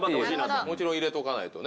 もちろん入れとかないとね。